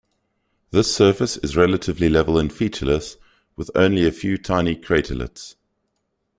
This surface is relatively level and featureless, with only a few tiny craterlets.